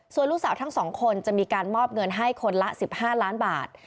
ส่วนลูกสาวทั้งสองคนจะมีการมอบเงินให้คนละ๑๕ล้านบาท